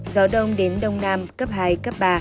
gió đông đến đông nam cấp hai cấp ba